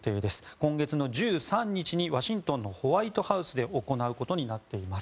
今月の１３日にワシントンのホワイトハウスで行うことになっています。